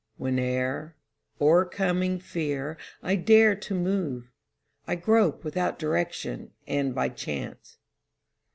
Whene'er, o'ercoming fear, I dare to move, I grope without direction and by chance.